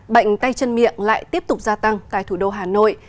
bệnh tay chân miệng lại tiếp tục gia tăng tại thủ đô hà nội